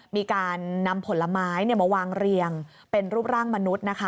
มีการนำผลไม้มาวางเรียงเป็นรูปร่างมนุษย์นะคะ